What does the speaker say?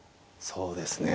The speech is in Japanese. そうですね。